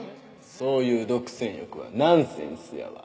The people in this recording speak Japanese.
そういう独占欲はナンセンスやわ。